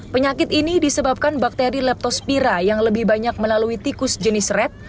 penyakit ini disebabkan bakteri leptospira yang lebih banyak melalui tikus jenis red